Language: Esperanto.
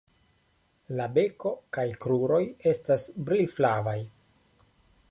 La beko kaj kruroj estas brilflavaj.